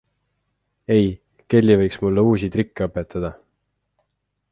Ei, Kelly võiks mulle uusi trikke õpetada!